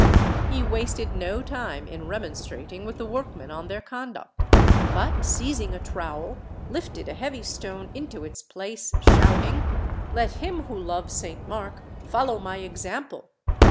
He wasted no time in remonstrating with the workmen on their conduct, but, seizing a trowel, lifted a heavy stone into its place, shouting: "Let him who loves Saint Mark follow my example!"